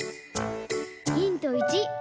ヒント１。